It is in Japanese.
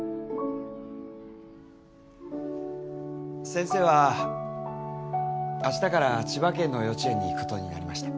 先生はあしたから千葉県の幼稚園に行くことになりました。